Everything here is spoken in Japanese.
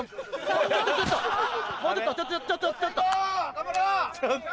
頑張ろう！